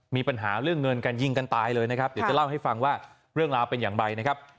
มีปัญหาเรื่องเงินการยิงกันตายเลยนะครับเดี๋ยวจะเล่าให้ฟังว่าเรื่องราวเป็นอย่างไรนะครับ